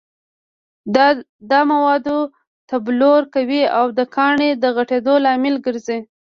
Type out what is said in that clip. دا مواد تبلور کوي او د کاڼي د غټېدو لامل ګرځي.